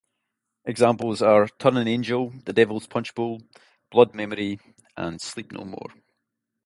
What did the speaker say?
Examples are "Turning Angel", "The Devil's Punchbowl", "Blood Memory", and "Sleep No More".